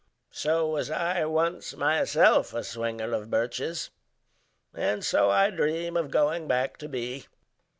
So was I once myself a swinger of birches. And so I dream of going back to be.